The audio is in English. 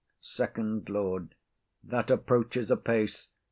FIRST LORD. That approaches apace.